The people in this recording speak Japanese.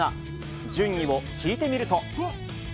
順位を聞いてみると。